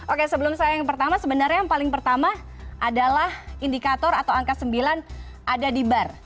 oke sebelum saya yang pertama sebenarnya yang paling pertama adalah indikator atau angka sembilan ada di bar